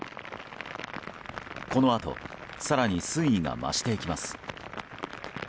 このあと更に水位が増していきます。